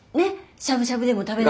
しゃぶしゃぶでも食べながら。